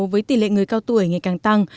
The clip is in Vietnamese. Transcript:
với tỷ lệ người cao tuổi ngày càng tăng